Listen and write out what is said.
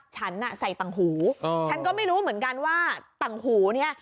ฉันน่ะใส่ต่างหูฉันก็ไม่รู้เหมือนกันว่าต่างหูเนี่ย